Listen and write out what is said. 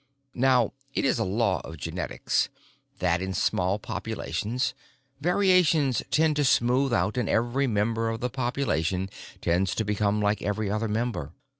Now, it is a law of genetics that in small populations, variations tend to smooth out and every member of the population tends to become like every other member.